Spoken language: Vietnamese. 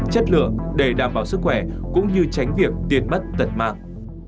chất lượng để đảm bảo sức khỏe cũng như tránh việc tiền mất tật mạng